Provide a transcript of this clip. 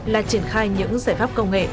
là triển khai những giải pháp công nghệ